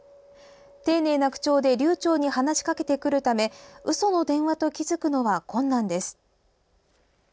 丁寧な口調で流ちょうに話しかけてくるためうその電話と気付くのは困難です。